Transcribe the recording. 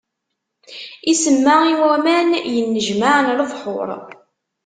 Isemma i waman yennejmaɛen: lebḥuṛ.